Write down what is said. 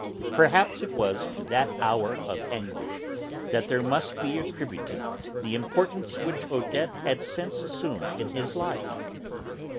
Perhaps it was to that hour of anguish that there must be attributed the importance which Odette had since assumed in his life.